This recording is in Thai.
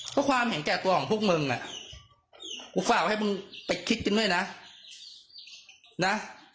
เพราะความเห็นแก่ตัวของพวกมึงอ่ะกูฝากให้มึงไปคิดกันด้วยนะ